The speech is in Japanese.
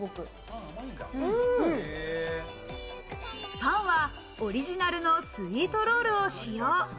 パンはオリジナルのスイートロールを使用。